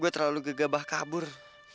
gue terlalu gegabah kabur